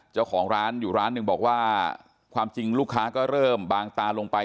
เจ้าของร้านอยู่ร้านหนึ่งบอกว่าความจริงลูกค้าก็เริ่มบางตาลงไป